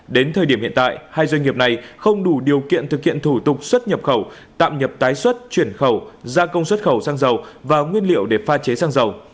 đến thời điểm hiện tại hai doanh nghiệp này không đủ điều kiện thực hiện thủ tục xuất nhập khẩu tạm nhập tái xuất chuyển khẩu gia công xuất khẩu xăng dầu và nguyên liệu để pha chế xăng dầu